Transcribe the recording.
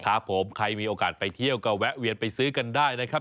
ครับผมใครมีโอกาสไปเที่ยวก็แวะเวียนไปซื้อกันได้นะครับ